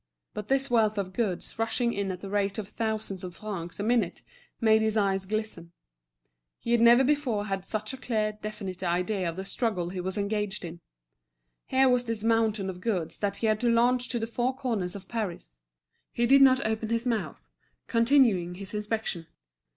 But this wealth of goods rushing in at the rate of thousands of francs a minute, made his eyes glisten. He had never before had such a clear, definite idea of the struggle he was engaged in. Here was this mountain of goods that he had to launch to the four corners of Paris. He did not open his mouth, continuing his inspection.